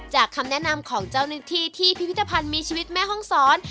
คำแนะนำของเจ้าหน้าที่ที่พิพิธภัณฑ์มีชีวิตแม่ห้องศร